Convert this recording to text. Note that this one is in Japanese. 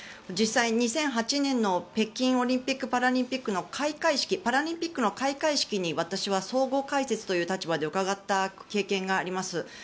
実際、２００８年の北京オリンピック・パラリンピックの開会式パラリンピックの開会式に私は総合解説という立場で伺った経験があります。